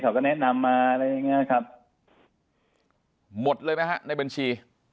เขาก็แนะนำมาอะไรอย่างเงี้ยครับหมดเลยไหมฮะในบัญชี